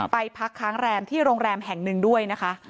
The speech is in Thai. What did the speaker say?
พักค้างแรมที่โรงแรมแห่งหนึ่งด้วยนะคะ